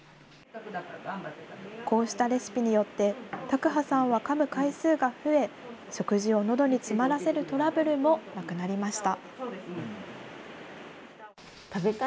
こうしたレシピによって、卓巴さんはかむ回数が増え、食事をのどに詰まらせるトラブルもなくなりました。